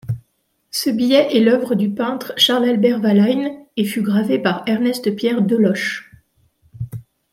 Ce billet est l’œuvre du peintre Charles-Albert Walhain et fut gravé par Ernest-Pierre Deloche.